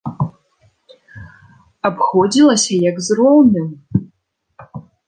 Абходзілася, як з роўным.